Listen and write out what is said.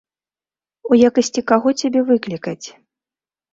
У якасці каго цябе выклікаць?